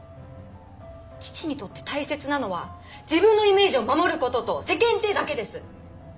父にとって大切なのは自分のイメージを守る事と世間体だけです！